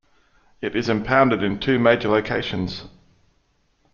It is impounded in two major locations.